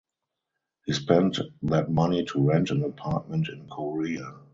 He spent that money to rent an apartment in Korea.